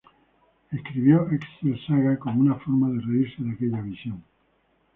Él escribió "Excel Saga" como una forma de "reírse de aquella visión..".